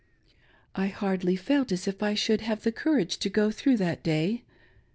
I hardly felt as if I shoilld have courage to go through that day.